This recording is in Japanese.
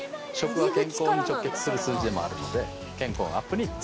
健康に直結する数字でもあるので健康運アップにつながります。